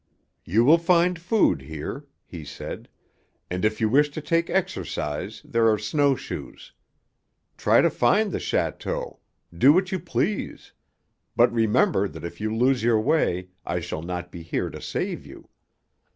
"You will find food here," he said, "and if you wish to take exercise there are snow shoes. Try to find the château do what you please; but remember that if you lose your way I shall not be here to save you.